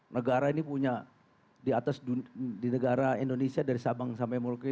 negara ini punya di atas di negara indonesia dari sabang sampai moloke